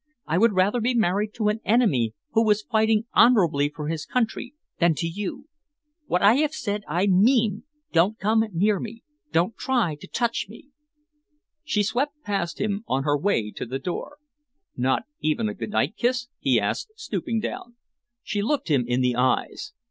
I would rather be married to an enemy who was fighting honourably for his country than to you. What I have said, I mean. Don't come near me. Don't try to touch me." She swept past him on her way to the door. "Not even a good night kiss?" he asked, stooping down. She looked him in the eyes.